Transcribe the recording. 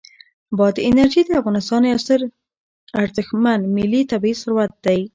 بادي انرژي د افغانستان یو ډېر ستر او ارزښتمن ملي طبعي ثروت دی.